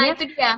nah itu dia